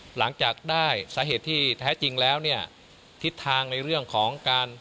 หลังจากได้สาเหตุที่แท้จริงแล้วเนี่ยทิศทางในเรื่องของการ